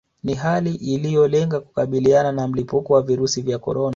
Ni hali iliolenga kukabiliana na mlipuko wa virusi vya corona